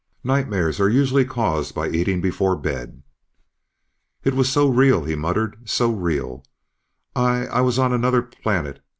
"Nightmares are usually caused by eating before bed." "It was so real," he muttered. "So real. I ... I was on another planet